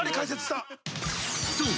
［そう。